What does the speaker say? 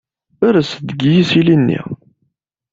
Ers-d seg yisili-nni.